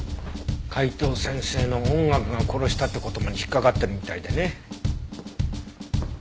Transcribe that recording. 「海東先生の音楽が殺した」って言葉に引っかかってるみたいでね。